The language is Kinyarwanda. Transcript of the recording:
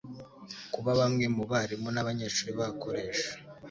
Kuba bamwe mu barimu n’abanyeshuri bakoresha